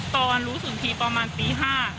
ตอนรู้สึกประมาณปีห้า